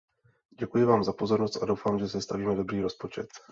Děkuji vám za pozornost a doufám, že sestavíme dobrý rozpočet.